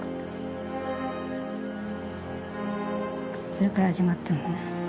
それから始まった。